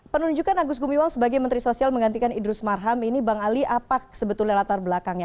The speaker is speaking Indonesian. penunjukan agus gumiwang sebagai menteri sosial menggantikan idrus marham ini bang ali apa sebetulnya latar belakangnya